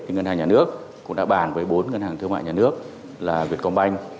ngân hàng nhà nước cũng đã bàn với bốn ngân hàng thương mại nhà nước là việt công banh